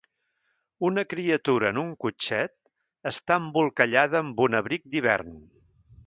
Una criatura en un cotxet està embolcallada amb un abric d'hivern.